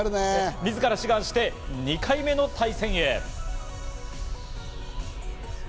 自ら志願して、２回目の対戦へ。